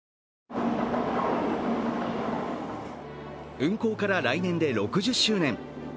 運行から来年で６０周年。